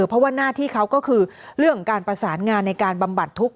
เพราะว่าหน้าที่เขาก็คือเรื่องของการประสานงานในการบำบัดทุกข